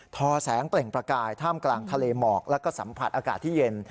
อแสงเปล่งประกายท่ามกลางทะเลหมอกแล้วก็สัมผัสอากาศที่เย็น